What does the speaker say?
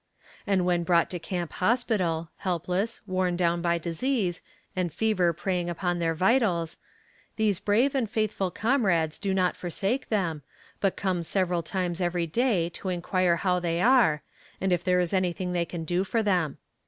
And when brought to camp hospital, helpless, worn down by disease, and fever preying upon their vitals those brave and faithful comrades do not forsake them, but come several times every day to inquire how they are, and if there is anything they can do for them.